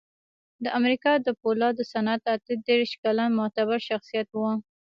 د امریکا د پولادو صنعت اته دېرش کلن معتبر شخصیت و